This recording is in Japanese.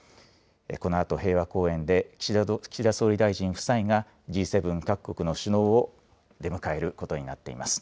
このあと平和公園で岸田総理大臣夫妻がＧ７各国の首脳を出迎えることになっています。